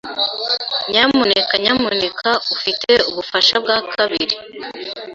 Nyamuneka nyamuneka ufite ubufasha bwa kabiri.